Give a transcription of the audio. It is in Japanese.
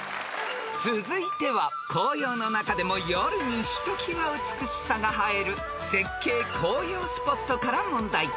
［続いては紅葉の中でも夜にひときわ美しさが映える絶景紅葉スポットから問題］